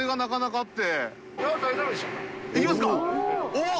おっ！